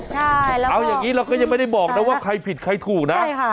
ใช่แล้วเอาอย่างนี้เราก็ยังไม่ได้บอกนะว่าใครผิดใครถูกนะใช่ค่ะ